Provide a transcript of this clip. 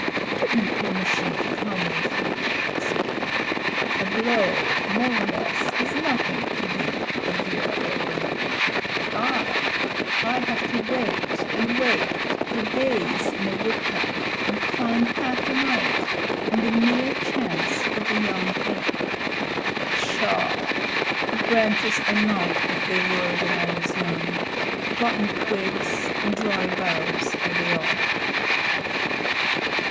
"Give me permission to come with you," said Kaa. "A blow more or less is nothing to thee, Bagheera or Baloo, but I I have to wait and wait for days in a wood path and climb half a night on the mere chance of a young ape. Psshaw! The branches are not what they were when I was young. Rotten twigs and dry boughs are they all."